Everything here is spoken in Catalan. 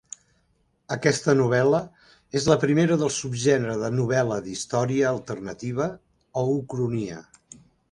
Aquesta novel·la és la primera del subgènere de novel·la d'història alternativa o ucronia.